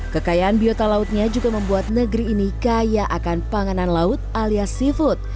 kekayaan biota lautnya juga membuat negeri ini kaya akan panganan laut alias seafood